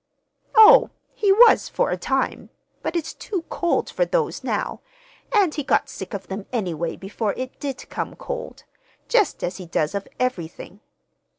"Oh, he was, for a time; but it's too cold for those now, and he got sick of them, anyway, before it did come cold, just as he does of everything.